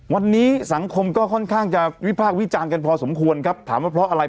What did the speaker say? วันนี้สังคมก็ค่อนข้างจะวิพากษ์วิจารณ์กันพอสมควรครับถามว่าเพราะอะไร